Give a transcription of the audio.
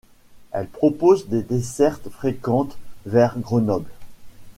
Elle propose des dessertes fréquentes vers Grenoble.